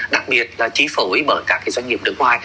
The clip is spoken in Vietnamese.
đặc biệt là chi phối bởi các doanh nghiệp nước ngoài